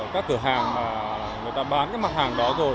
các cửa hàng mà người ta bán cái mặt hàng đó rồi